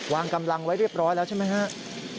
วางกำลังไว้เรียบร้อยแล้วใช่ไหมครับ